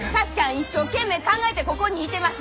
一生懸命考えてここにいてます。